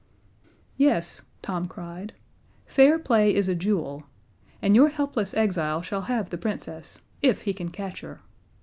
"Yes," Tom cried. "Fair play is a jewel. And your helpless exile shall have the Princess if he can catch her.